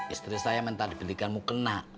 istri saya minta dibidikanmu kena